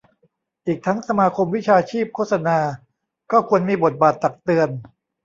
อีกทั้งสมาคมวิชาชีพโฆษณาก็ควรมีบทบาทตักเตือน